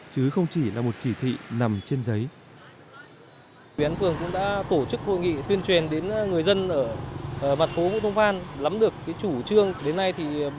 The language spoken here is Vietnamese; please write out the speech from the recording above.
chứ không chỉ là một chỉ thị nằm trên giấy